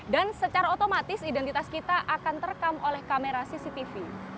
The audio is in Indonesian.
dan secara otomatis identitas kita akan terekam oleh kamera cctv